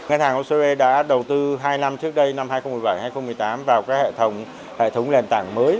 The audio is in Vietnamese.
ngân hàng hồ sơ bê đã đầu tư hai năm trước đây năm hai nghìn một mươi bảy hai nghìn một mươi tám vào hệ thống lệnh tảng mới